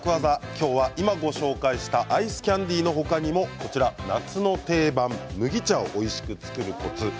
今日は今、ご紹介したアイスキャンディーの他にも夏の定番、麦茶をおいしく作るコツ。